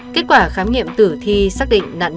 kết quả khám nghiệm tử thi xác định nạn nhân